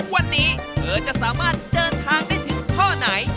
วันนี้เธอจะสามารถเดินทางได้ถึงข้อไหน